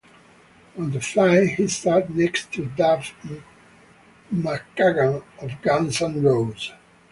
On the flight, he sat next to Duff McKagan of Guns N' Roses.